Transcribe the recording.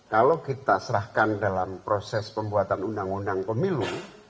kalau kita serahkan dalam proses pembuatan undang undang pemilu